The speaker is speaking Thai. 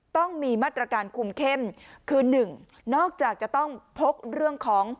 ต้องมีมาตรการคุมเข้มคือหนึ่งนอกจากจะต้องพกเรื่องของ